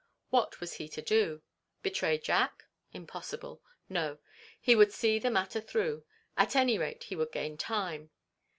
What was he to do? Betray Jack? Impossible. No. He would see the matter through. At any rate, he would gain time.